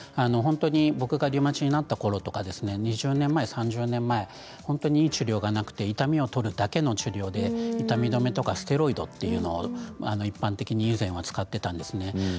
僕がリウマチになったころとか２０年前、３０年前いい治療がなくて痛みを取るだけの治療で、痛み止めステロイドというのを一般的に以前は使っていたんですね。